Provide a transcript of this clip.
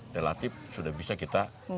relatif sudah bisa kita